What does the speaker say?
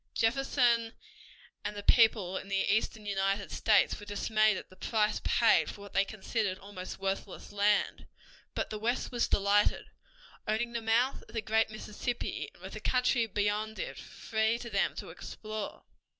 Jefferson and the people in the eastern United States were dismayed at the price paid for what they considered almost worthless land, but the West was delighted, owning the mouth of the great Mississippi and with the country beyond it free to them to explore.